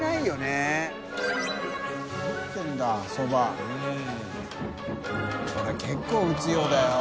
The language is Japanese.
海結構打つようだよ？